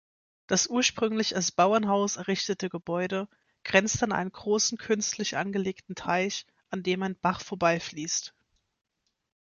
Das ursprünglich als Bauernhaus errichtete Gebäude grenzt an einen großen künstlich angelegten Teich, an dem ein Bach vorbeifließt.